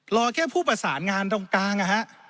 รอแค่ผู้ประสานงานตรงกลางนะฮะ